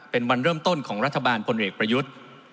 เป็นวันเริ่มต้นของรัฐบาลพลเอกประยุทธ์